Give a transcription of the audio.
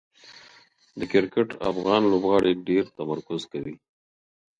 د کرکټ افغان لوبغاړي ډېر تمرکز کوي.